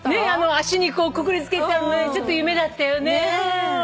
足にこうくくりつけてあるのねちょっと夢だったよね！